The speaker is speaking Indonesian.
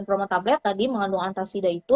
promotablet tadi mengandung antasida itu